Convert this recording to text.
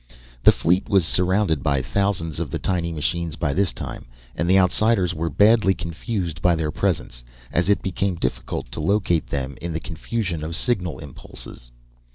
The fleet was surrounded by thousands of the tiny machines by this time, and the Outsiders were badly confused by their presence, as it became difficult to locate them in the confusion of signal impulses.